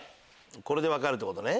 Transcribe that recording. これで分かるってことね。